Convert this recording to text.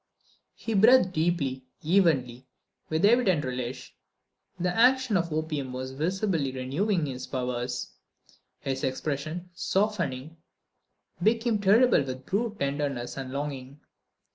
He breathed deeply, evenly, with an evident relish. The action of the opium was visibly renewing his powers. His expression, softening, became terrible with brute tenderness and longing.